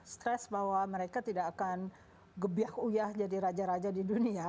stres bahwa mereka tidak akan gebiak uyah jadi raja raja di dunia